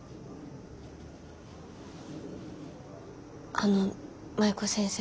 あの麻衣子先生。